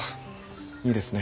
いいですね。